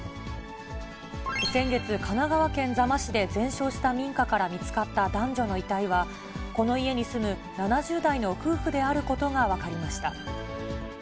先月、神奈川県座間市で全焼した民家から見つかった男女の遺体は、この家に住む７０代の夫婦であることが分かりました。